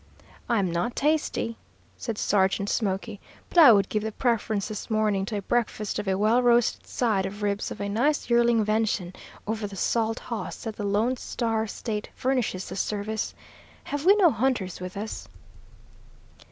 "I'm not tasty," said Sergeant Smoky, "but I would give the preference this morning to a breakfast of a well roasted side of ribs of a nice yearling venison over the salt hoss that the Lone Star State furnishes this service. Have we no hunters with us?"